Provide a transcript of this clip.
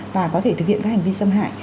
và có thể thực hiện các hành vi xâm hại